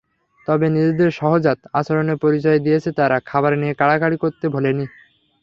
তবে নিজেদের সহজাত আচরণের পরিচয় দিয়েছে তারা, খাবার নিয়ে কাড়াকাড়ি করতে ভোলেনি।